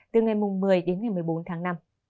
từ ngày một mươi đến ngày một mươi bốn tháng năm